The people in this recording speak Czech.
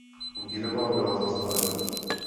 Výroba byla zastavena.